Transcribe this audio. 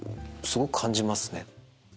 すごく感じますね。